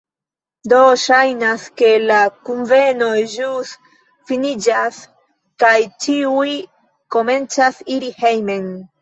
Do, ŝajnas, ke la kunveno ĵus finiĝas kaj ĉiuj komencas iri hejmen